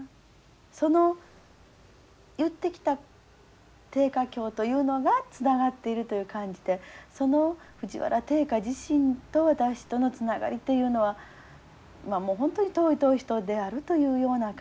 その言ってきた定家卿というのがつながっているという感じでその藤原定家自身と私とのつながりというのは本当に遠い遠い人であるというような感じでだけで。